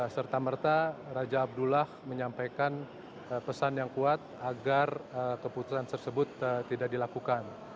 serta merta raja abdullah menyampaikan pesan yang kuat agar keputusan tersebut tidak dilakukan